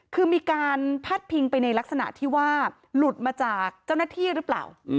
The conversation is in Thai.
คือมีการพาดพิงไปในลักษณะที่ว่าหลุดมาจากเจ้าหน้าที่หรือเปล่า